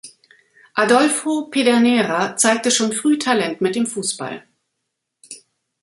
Adolfo Pedernera zeigte schon früh Talent mit dem Fußball.